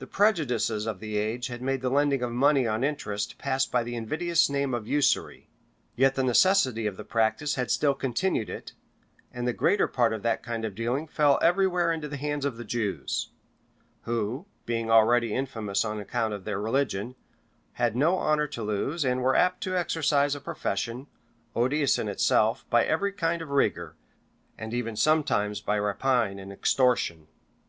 The prejudices of the age had made the lending of money on interest pass by the invidious name of usury: yet the necessity of the practice had still continued it, and the greater part of that kind of dealing fell every where into the hands of the Jews, who, being already infamous on account of their religion, had no honor to lose, and were apt to exercise a profession, odious in itself, by every kind of rigor, and even sometimes by rapine and extortion.